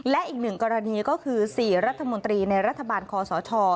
และอีกหนึ่งกรณีก็คือ๔รัฐมนตรีในรัฐบาลคอสช